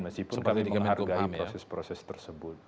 meskipun kami menghargai proses proses tersebut